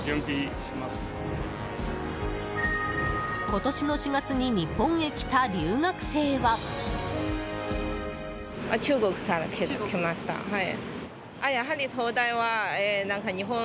今年の４月に日本へ来た留学生は。